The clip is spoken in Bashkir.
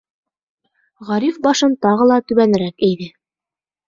Ғариф башын тағы ла түбәнерәк эйҙе.